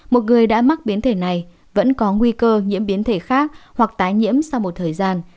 một người đã mắc biến thể này vẫn có nguy cơ nhiễm biến thể khác hoặc tái nhiễm sau một thời gian